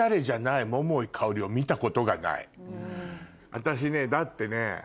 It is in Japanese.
私ねだってね。